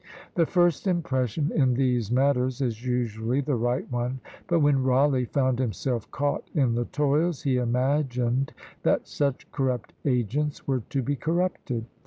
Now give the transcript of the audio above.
The first impression in these matters is usually the right one; but when Rawleigh found himself caught in the toils, he imagined that such corrupt agents were to be corrupted.